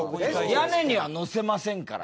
屋根には乗せませんから。